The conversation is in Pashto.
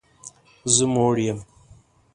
زه موړ یم